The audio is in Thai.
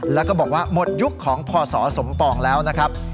แล้วก็บอกว่าหมดยุคของพศสมปองแล้วนะครับ